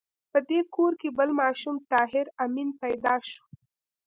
په دې کور کې بل ماشوم طاهر آمین پیدا شو